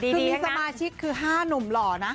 คือมีสมาชิกคือ๕หนุ่มหล่อนะ